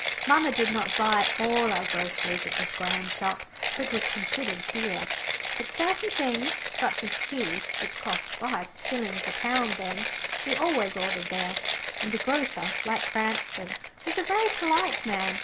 Mamma did not buy all our groceries at this grand shop, for it was considered dear. But certain things, such as tea which cost five shillings a pound then she always ordered there. And the grocer, like Cranston, was a very polite man.